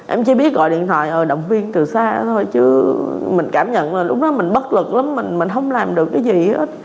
em chỉ biết gọi điện thoại động viên từ xa thôi chứ mình cảm nhận là lúc đó mình bất lực lắm mình mình không làm được cái gì hết